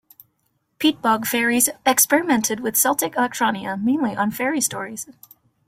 Peatbog Faeries have experimented with Celtic electronia, mainly on "Faerie Stories".